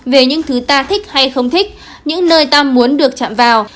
về những thứ ta thích hay không thích những nơi ta muốn được chạm vào